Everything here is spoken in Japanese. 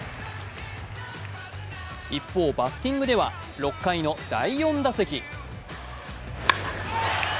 一方、バッティングでは６回の第４打席。